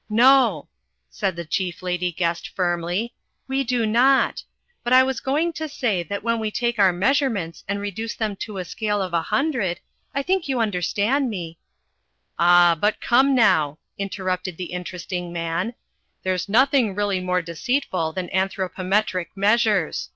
"No," said the Chief Lady Guest firmly, "we do not. But I was going to say that when we take our measurements and reduce them to a scale of a hundred I think you understand me " "Ah, but come, now," interrupted the Interesting man, "there's nothing really more deceitful than anthropometric measures.